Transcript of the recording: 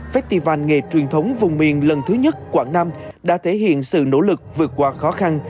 festival nghề truyền thống vùng miền lần thứ nhất quảng nam đã thể hiện sự nỗ lực vượt qua khó khăn